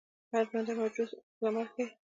هر ژوندی موجود عکس العمل ښيي